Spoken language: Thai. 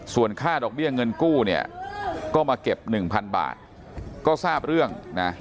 ส่วนค่าดอกเบี้ยเงินกู้เนี่ยก็มาเก็บ๑๐๐บาทก็ทราบเรื่องนะ